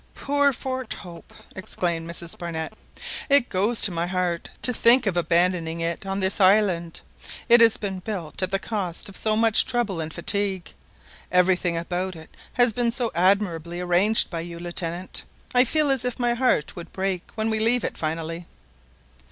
"Poor Fort Hope!" exclaimed Mrs Barnett, "it goes to my heart to think of abandoning it on this island. It has been built at the cost of so much trouble and fatigue, everything about it has been so admirably arranged by you, Lieutenant! I feel as if my heart would break when we leave it finally."